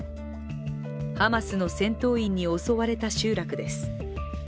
ハマスの戦闘員に襲われた集落です。